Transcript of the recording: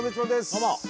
「どうも」